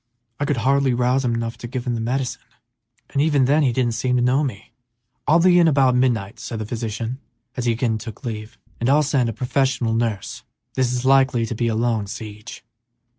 "I could hardly rouse him enough to give him the medicine, and even then he didn't seem to know me." "I'll be in about midnight," said the physician, as he again took leave, "and I'll send a professional nurse, a man; this is likely to be a long siege."